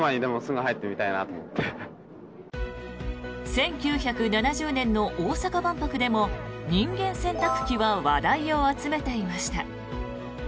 １９７０年の大阪万博でも人間洗濯機は話題を集めていました。